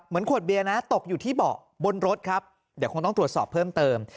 ขวดเบียร์นะตกอยู่ที่เบาะบนรถครับเดี๋ยวคงต้องตรวจสอบเพิ่มเติม